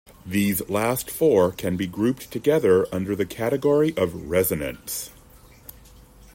These last four can be grouped together under the category of resonants.